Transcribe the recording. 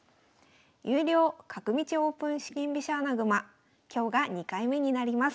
「優良！角道オープン四間飛車穴熊」今日が２回目になります。